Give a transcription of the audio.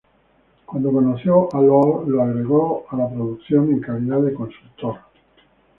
Cuando conoció a Lord lo agregó a la producción en calidad de consultor.